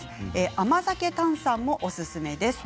甘酒炭酸もおすすめです。